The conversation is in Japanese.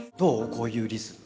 こういうリズム。